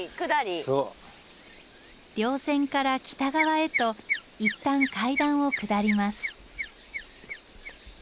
稜線から北側へと一旦階段を下ります。